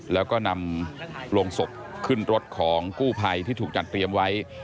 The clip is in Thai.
แล้วก็นำโรงศพขึ้นรถของกู้ภัยที่ถูกจัดเตรียมไว้